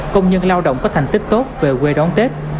công nhân lao động có thành tích tốt về quê đón tết